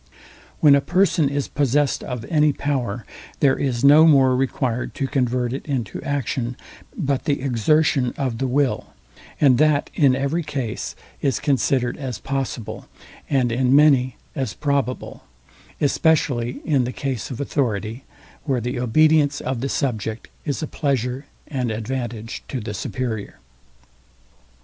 When a person is possessed of any power, there is no more required to convert it into action, but the exertion of the will; and that in every case is considered as possible, and in many as probable; especially in the case of authority, where the obedience of the subject is a pleasure and advantage to the superior.